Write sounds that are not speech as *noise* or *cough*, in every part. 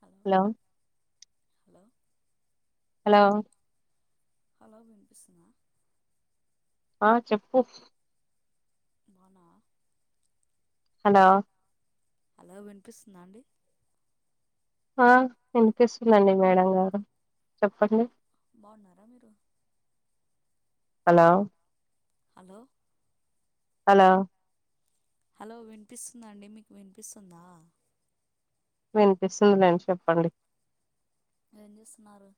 Hello hello hello hello hello వినిపిస్తుందా? ఆ చెప్పు అవునా హలో అలా వినిపిస్తుందా అండి ఆ వినిపిస్తుందండి మేడం గారు చెప్పండి బాగున్నరా మీరు హలో హలో హలో హలో వినిపిస్తుంద అండి మీకు వినిపిస్తుందా వినిపిస్తుంది అండీ చెప్పండి ఏం జేస్తున్నారు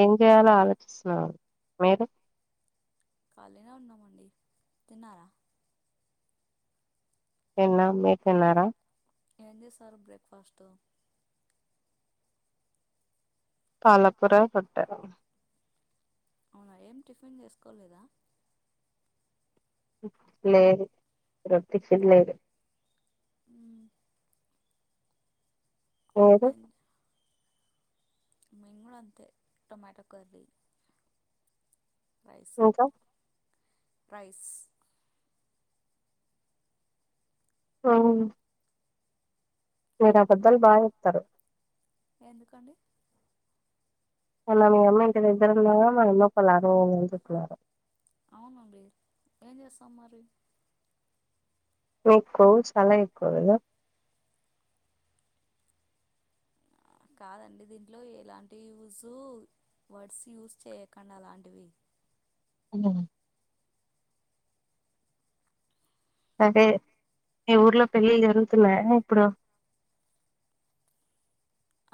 ఏం చేయాలో ఆలోచిస్తున్నాను మీరు ఖాళీనా ఉన్నామండి తిన్నారా తిన్నం మీర్ తిన్నారా ఏం చేసారు బ్రేక్ఫాస్ట్ పాలకుర కొట్టారు అవునా ఏం టిఫిన్ చేసుకోలేదా లేదు ఈరొ టిఫిన్ లేదు ఊ మీరు మేం గూడ అంతే టొమాటో కర్రీ రైస్ ఇంకా ప్రైస్ అవును మీరాబద్దల్ బా చెప్తారు ఎందుకండి మొన్న మీ అమ్మంట ఇద్దరునారు మా అమ్మ పలర్వ పోయిందని చేపినారు అవునండి ఏం చేస్తాం మరి మీక్ కొవ్వు చాలా ఎకువ కదా కాదండి దీంట్లో ఎలాంటి యూజు వర్డ్స్ యూస్ చేయకండి అలాంటివి ఊ సరే మీ ఊర్లో పెళ్ళి జరుగుతున్నాయా అండీ ఇప్పుడు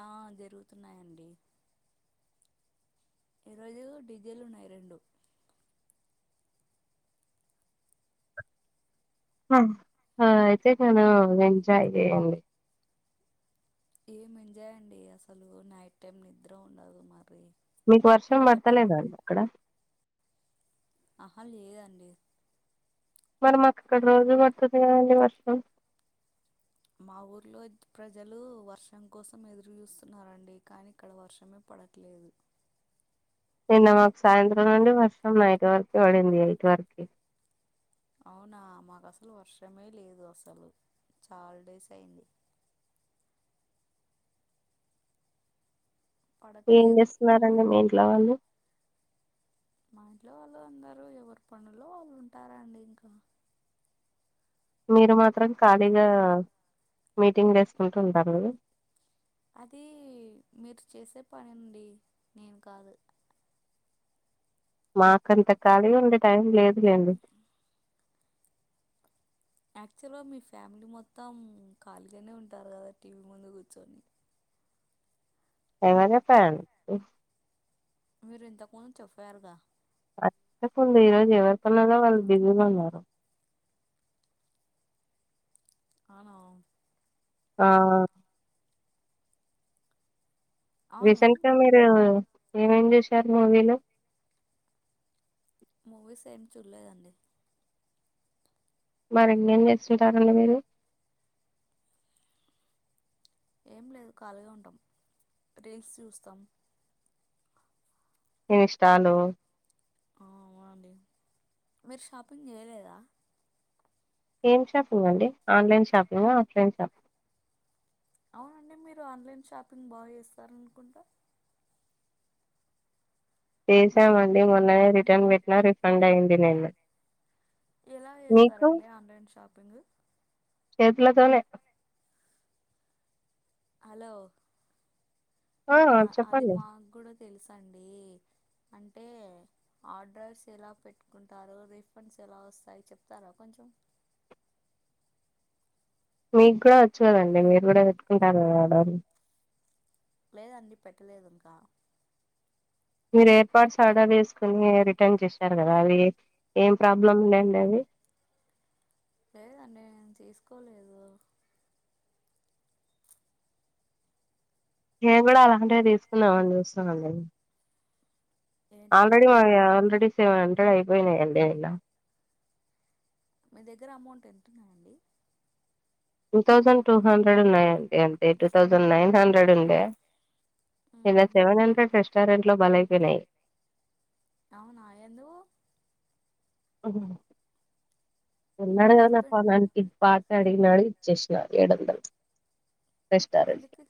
ఆ జరుగుతున్నాయండి ఈ రోజు డీజేలు ఉన్నాయి రెండు అ ఆ అయితే *unintelligible* మీరు ఎంజాయ్ చేయండి ఏం ఎంజాయ్ అండి అసలు నైట్ టైం నిద్ర ఉండదు మరి మీకు వర్షం ఒకటే పడతలేదండి అక్కడ ఆహా లేదండి మరి మాకక్కడ రోజు పడుతుంది కదండి వర్షం మా ఊర్లో ప్రజలు వర్షం కోసం ఎదురు చూస్తున్నారండి కానీ ఇక్కడ వర్షమే పడ ట్లేదు నిన్న మాకూ సాయంత్రం నుండి వర్షం నైట్ వర్క్ పడింది ఎయిట్ వర్క్ అవునా మాకు అసలు వర్షమే లేదు అసలు చాలా డేస్ అయింది ఏం పడట్లేదు చేస్తున్నారంండి మీ ఇంట్లో వాళ్ళు మా ఇంట్లో వాళ్ళు అందరు ఎవరి పనులో వాళ్ళు ఉంటారండి ఇంకా మీరు మాత్రం ఖాళీగా మీటింగ్ వేసుకుంటూ ఉంటరు కదా అది మీరు చేసే పని అండి నేను కాదు మాకంత ఖాళీ ఉండే టైం లేదులేండి *unintelligible* యాక్చువల్గా మీ ఫ్యామిలీ మొత్తం ఖాళీగానే ఉంటారు కదా టీవీ ముందు కూర్చొని ఎవర్ చెప్పారు మీరు ఇంతకుముందు చెప్పయారుగా అదే ముందు ఈ రోజు ఎవరి పనులలో వాళ్లు బీసీగ ఉన్నారు అవు ఆ అవును రీసెంట్ గా మీరు ఏమేం చూసారు మూవీలు మూవీస్ ఏమి చూడలేదండి మరి ఇన్నేం చేస్తుంటారండి మీరు ఏం లేదు ఖాళీగా ఉంటాం రింగ్స్ చూస్తాం ఇన్స్టాలూ అవునండి మీరు షాపింగ్ చేయలేదా ఏం షాపింగ్ అండి ఆన్లైన్ షాపింగా ఆఫ్లైన్ షా అవునండి మీరు ఆన్లైన్ షాపింగ్ బాగా చేస్తారనుకుంటా చేసామండి మొన్ననే రిటర్న్ పెట్టినా రిఫండ్ అయింది నే ఎలా చేస్తారండి ఆన్లైన్ షాపింగ్ చేతులతోనే హలో ఆ అ అది చెప్పండి మాకు కూడా తెలుసండీ అంటే ఆర్డ్రైస్ ఎలా పెట్టుకుంటారు రీఫండ్స్ ఎలా వస్తాయి చెప్తారా కొంచెం మీకు కూడా వచ్చు కదండి మీరు కూడా పెట్టుకుంటారు కదా ఆర్డర్ లేదండి పెట్టలేదు ఇంకా మీరు ఎయిర్పార్ట్స్ ఆర్డర్ చేసుకుని రిటర్న్ చేశారు కదా అది ఏం ప్రాబ్లం ఉందిండి అది లేదండి నేను తీసుకోలేదు నేను కూడా అలాంటిదే తీసుకుందామని చూస్తున్నానండి ఆల్రెడీ ఏంటివండి మా ఆల్రెడీ సెవెన్ హండ్రెడ్ అయిపోయినాయిండిలా మీ దగ్గర అమౌంట్ ఎంతున్నాయంండి టూ థౌజండ్ టూ హండ్రెడ్ ఉన్నాయండి అంతే టూ థౌజండ్ నైన్ హండ్రెడ్ ఉండే నిన్న సెవెన్ హండ్రెడ్ రెస్టారెంట్లో బలైపోయినాయి అవునా ఎందుకు అహ మీ ఉన్నాడుగా నా హస్బెండ్ పనానికి పార్టీ అడిగినాడు ఇచ్చేసినడు ఏడు వందలు రెస్టారెంట్ ఎందుకు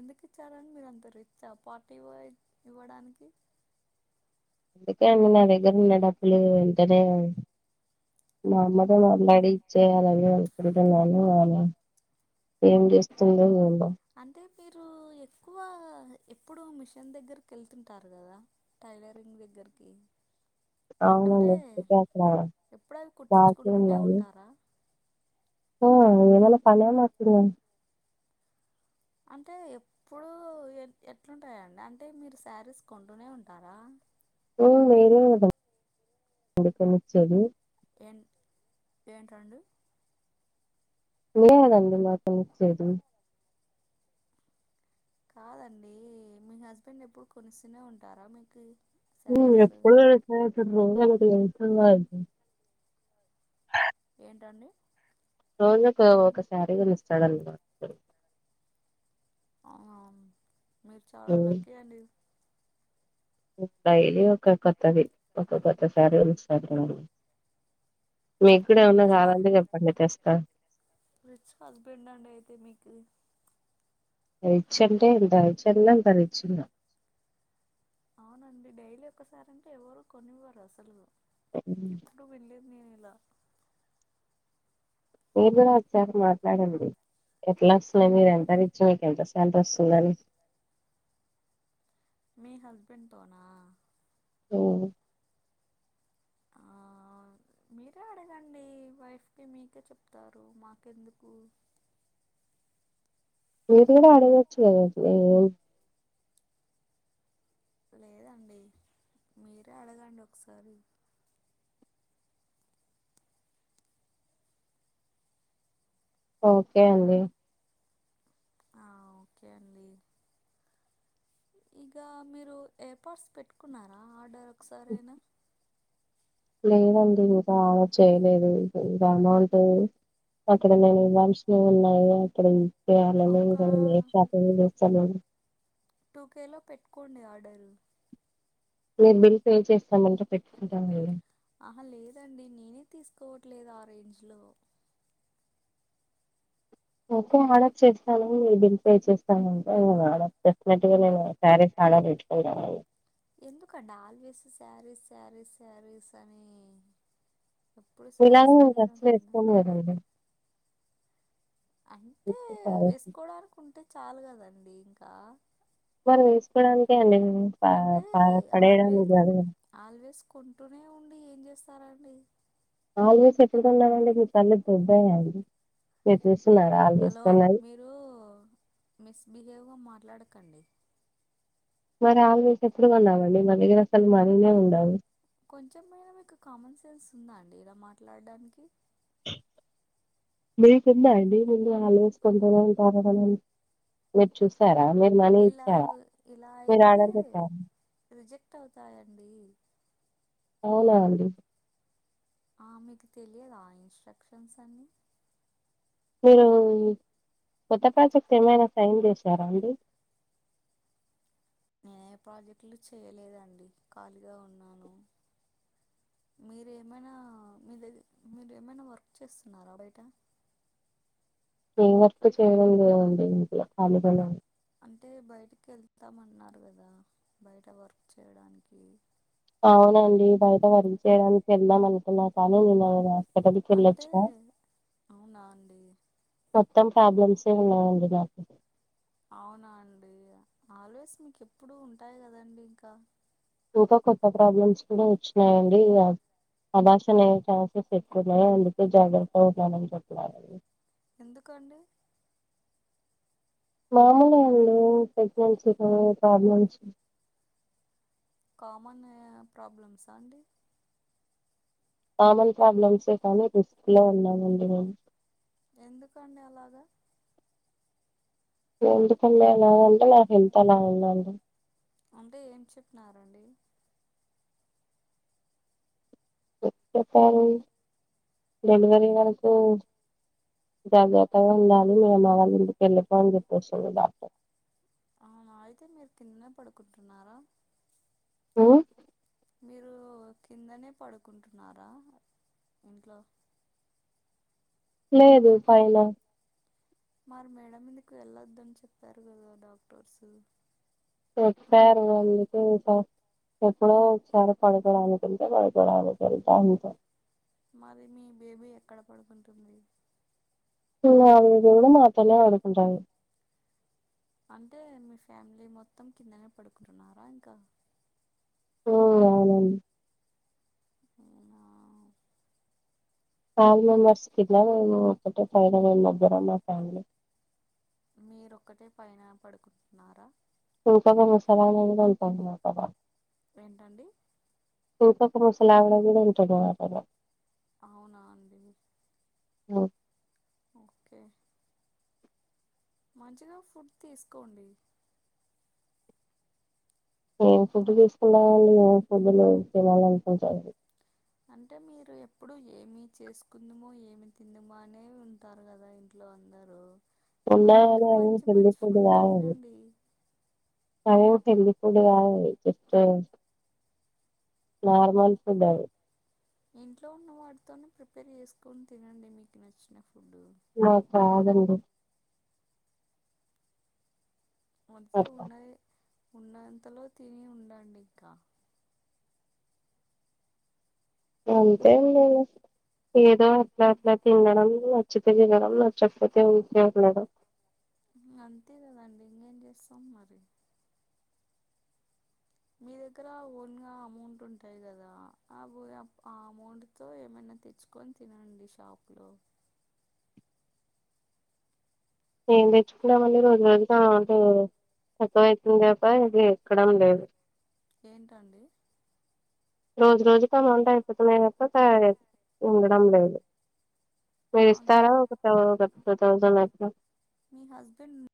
ఎందుకు ఇచ్చారని మీరు అంత రిచ్ పార్టీవ్వ ఇవ్వడానికి అందుకే అండి నా దగ్గర ఉన్న డబ్బులు వెంటనే మామ్మతో మాట్లాడి ఇచ్చేయాలి అని వెళ్పన్నా ఏం చేస్తుందో ఏం అంటే మీరు ఎక్కువ ఎప్పుడు మిషన్ దగ్గరకి వెళ్తుంటారు కదా టైలరింగ్ దగ్గరికి అంటే అవునండి అందుకే అక్కడ ఎప్పుడవి బాకీ కుట్టించుకుంటూనే ఉన్నాను ఉంటారా ఆ ఏమనా పనా మాకేమన్న అంటే ఎప్పుడు ఎ ఎట్లుంటాయంండి అంటే మీరు శారీస్ కొంటూనే ఉంటారా మ్ ఉడకనిచ్చేది ఏ ఏంటండీ మీరే కదండి మాకు పని ఇచ్చేది కాదండి మీ హస్బెండ్ ఎప్పుడు కొనిస్తూనే ఉంటారా మీకు శారీస్ ఎప్పుడు ర ఏంటండి రోజుకు ఒక సారి కోనిఇస్తాడున్నమాట అవునా మీరు చాలా ఉమ్ లక్కీ అండి డైలీ ఒక కొత్తది ఒక కొత్తసారి కోనిస్తారు మీకు కూడా ఏమన్నా రిచ్ హా కావలంటే చెప్పండి తెస్తా రిచ్ హస్బెండ్ అండి అయితే మీకు రిచ్ అంటే ఎంత రిచ్ అన్న అంత రిచ్ అన్న అవునండి డైలీ ఒక సారి అంటే ఎవ్వరు కొనివ్వరు అసలు అవు ఎప్పుడు వినలేదు నేను ఇలా మీరు కూడా ఒక్కసారి మాట్లాడండి ఎట్లా వస్తున్నాయి మీరు ఎంత రిచ్చి మీకుఎంత సొలారీ వస్తుందని మీ హస్బెండ్ తోనా ఉ ఆ మీరే అడగండి వైఫ్కి మీకే చెప్తారు మాకెందుకు మీరు కూడా అడగవచ్చు కదండి లేదండి మీరే అడగండి ఒకసారి ఓకే అండి ఆ ఓకే అండి ఇగ మీరు ఇయర్పాడ్స్ పెట్టుకున్నారా ఆర్డర్ ఒకసారైనా లేదండి ఇంక ఆలొ చేయలేదు ఇంక ఎమౌంట్ అక్కడ నేను ఇవ్వాల్సినయి ఉన్నాయి అక్కడ ఇచ్చేయాలని ఒక ఇంక నేను ఏం షాపింగ్ చేస్తాను ఓకేల పెట్టుకోండి ఆర్డరు మీరు బిల్ పే చేస్తామంటే పెట్టుకుంటామండి ఆహా లేదండి నేనే తీసుకోవట్లేదు ఆ రేంజ్ లో ఓకే ఆర్డర్ చేస్తాను మీరు బిల్ పే చేస్తాను అంటే నేను ఆర్డర్ డెఫినెట్ గా నేను సారి సరే తెచ్చుకుంటారాండి ఎందుకండి ఆల్వేస్ శారీస్ శారీస్ శారీస్ అని ఎప్పుడు మీలాగా శారీస్ నేను మీదనే డ్రెస్సులు వేసుకోను ఉంటుందాండి కదండి అంటే ఉత్తి శారీస్ వేసుకోవడానికి ఉంటే చాలు కదండి ఇంకా మరి వేసుకోవడానికే అండి మేము ప అంటే పొడి ఆల్వే పడేయడానికి కాదు కదా ఆల్వేస్ కొంటూనే ఉండి ఏం చేస్తారాండి ఆల్వేస్ ఎప్పుడుకోన్నానండి మీ కళ్ళు దొబ్బయాండి మీరు చూస్తున్నారా ఆల్వేస్ కోన్నవి ఇప్పుడు మిస్ బిహేవ్ గా మాట్లాడకండి మరి ఆల్వేస్ ఎప్పుడు కొన్నావండి మా దగ్గర అసలు మనినే ఉండవు కొంచెం అయినా మీకు కామన్ సెన్స్ ఉందా అండి ఇలా మాట్లాడడానికి మీ కింద అండి మీరు ఆలోచుకుంటార మీరు చూసారా మీరు మనీ ఇలా ఇచ్చారా ఇలా మీరు అయితే ఆరడర్ పెట్టారా రిజెక్ట్ అవుతాయండి అవునాఅండి ఆమెకు తెలియదా ఇన్స్టక్షన్స్ అన్ని మీరు కొత్త ప్రాజెక్ట్ ఏమైనా సైన్ చేసారా అండి నేనే ఏ ప్రాజెక్టులు చేయలేదండి ఖాళీగా ఉన్నాను మీరేమైనా మీ దగ్గ మీరు ఏమైనా వర్క్ చేస్తున్నారా బయట ఏ వర్క్ చేయడం లేదండి ఇంట్లో ఖాళీగానే అంటే బయటికి వెళ్తామన్నారు కదా బయట వర్క్ చేయడానికి అవునండి బయట వర్క్ చేయడానికి వెళ్దాం అనుకున్న కానీ నేను అవి అంటే అవునా అండి మొత్తం ప్రాబ్లమ్స్యే ఉన్నాయండి మాకు అవునా అండి ఆల్వేస్ మీకు ఎప్పుడు ఉంటాయి కదండి ఇంకా ఇంకా కొత్త ప్రాబ్లమ్స్ కూడా వచ్చినాయండి ఇగ అభాషన్ అయే ఛాన్సెస్ ఎక్కువ ఉన్నాయి అందుకే జాగ్రత్తగా ఉంటానని చెప్ప ఆమెకి ఎందుకండి మామూలే అండి ప్రెగ్నెన్సీలో ప్రాబ్లమ్స్ కామన్ ప్రాబ్లమ్సా అండి కామన్ ప్రాబ్లమ్సే కానీ రిస్క్ లో ఉన్నామండి మేము ఎందుకండి అలాగా ఎందు కండి *unintelligible* ఎలా ఉంటే నాకు ఎంత అలా ఉన్నాండి అంటే ఏం చెప్పినారండి చెప్పారు జనవరి వరకు *unintelligible* జాగ్రత్తగా ఉండాలి మీ అమ్మ వాళ్ళ ఇంటికి వెళ్ళిపో అని చెప్పేస్తుంది డాక్టర్ అవునా అయితే మీరు కిందనే పడుకుంటున్నారా ఉం మీరు కిందనే పడుకుంటున్నారా ఇంట్లో లేదు ఫైన మరి మేడ మీదకు వెళ్ళొద్ద అని చెప్పారు కదా డాక్టర్స్ చెల్లారు అందుకు ఎప్పుడో వచ్చారు పడకోడానికికుళ్తే పడకోడా అకుళ్తా అందు *unintelligible* మరి మీ బేబీ ఎక్కడ పడుకుంటుంది మా బేబీ కూడా మాతోనే పడుకుంటుంది అంటే మీ ఫ్యామిలీ మొత్తం కిందనే పడుకుంటున్నారా ఇంకా ఉం అవునండి హా ఫైవ్ మెంబర్స్కి ఇంద నే *unintelligible* ఒక ఫైవ మెంర్ బరా మా ఫ్యామిలీ మీరొక్కటే పైన పడుకుంటున్నారా తకాగా మసాలతాబ *unintelligible* ఏంటండి తూసకుసలావంట *unintelligible* అవునా అండి ఓ ఓకే మంచిగా ఫుడ్ తీసుకోండి ఏం ఫుడ్ తీసుకున్నాలి *unintelligible* ఏం ఫుడ్లు తినాలి అనుకుంటుడి అంటే మీరు ఎప్పుడు ఏమి చేసుకుందమో ఏమి తిందమో అనే ఉంటు ఉంటారు కదా ఇంట్లో అందరు మరి ఉన్నాయి ఇంకా కాని అవి మంచి హెల్దీ మంచి ఫుడ్ తినండి అరే తిండి *unintelligible* నార్మల్ ఫుడ్ అది ఇంట్లో ఉన్న వాటితోనే ప్రిపేర్ చేసుకొని తినండి మీకు నచ్చిన ఫుడ్ నాక్ రాదండి వండితే అట్లా ఉన్నదే ఉన్నంతలో తిని ఉండండి ఇంకా అంతేమిలేదు ఏదో అట్లా అట్లా తినడం చ్చితె తినడం నచ్చకపోతే ఊర్కేఅట్ల ఉండడం అంతే గదండి ఇంగేమ్ జేస్తాం మరి మీ దగ్గర ఓన్ గా అమౌంట్ ఉంటది గదా ఆ ప్ ఆ అమౌంట్ తో ఏమైనా తెచ్చుకొని తినండి షాప్ లో మేం తెచ్చుకుంటామండి రోజు రోజుకు అంటే తక్కువ అయితుంది తప్ప ఇది ఎక్కడం లేదు ఏంటండి రోజు రోజుకి అమౌంట్ అయిపోతుంది తప్ప *unintelligible* ఉండడం లేదు మీకు అవునా ఇస్తారా ఒక తౌసంద్ టూ తౌసండ్ అట్ల మీ హస్బెండ్